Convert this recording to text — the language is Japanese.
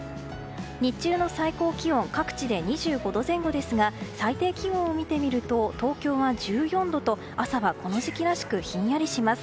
日中の最高気温各地で２５度前後ですが最低気温を見てみると東京が１４度と朝はこの時期らしくひんやりします。